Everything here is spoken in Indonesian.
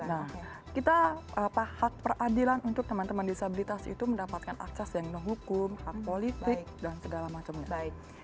nah kita hak peradilan untuk teman teman disabilitas itu mendapatkan akses yang non hukum hak politik dan segala macamnya